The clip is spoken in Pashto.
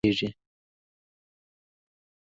تاوتریخوالی له اسلامي قوانینو سره مخالف ګڼل کیږي.